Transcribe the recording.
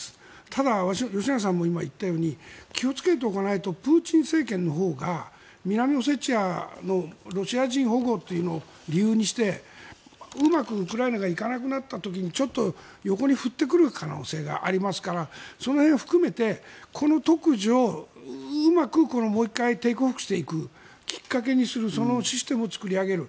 ただ、吉永さんも今言ったように気をつけておかないとプーチン政権のほうが南オセチアのロシア人保護というのを理由にしてうまくウクライナがいかなくなった時にちょっと横に振ってくる可能性がありますからその辺を含めてこの特需をうまくもう１回テイクオフしていくきっかけにするシステムを作り上げる。